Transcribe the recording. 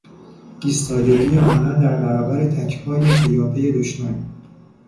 ایستادگی آنان در برابر تکهای پیاپی دشمن